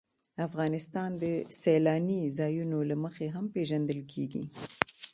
افغانستان د سیلاني ځایونو له مخې هم پېژندل کېږي.